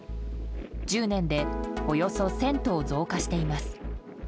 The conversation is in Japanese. １０年でおよそ１０００棟増加しています。